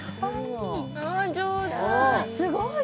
すごい！